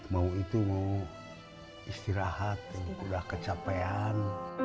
mau istirahat udah kecapean